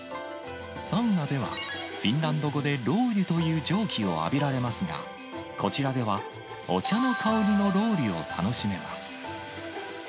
サウナでは、フィンランド語でロウリュという蒸気を浴びられますが、こちらでは、お茶の香りのロウリュを楽しめます。